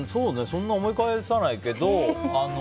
そんな思い返さないけど。